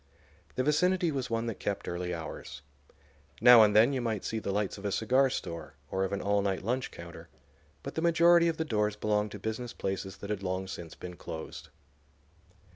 The vicinity was one that kept early hours. Now and then you might see the lights of a cigar store or of an all night lunch counter; but the majority of the doors belonged to business places that had long since been closed.